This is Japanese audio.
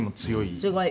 すごい。